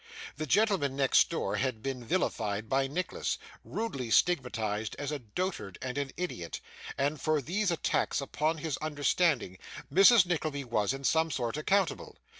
The gentleman next door had been vilified by Nicholas; rudely stigmatised as a dotard and an idiot; and for these attacks upon his understanding, Mrs. Nickleby was, in some sort, accountable.